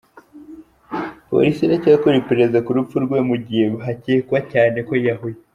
Police iracyakora iperereza ku rupfu rwe mu gihe hakekwa cyane ko yiyahuye.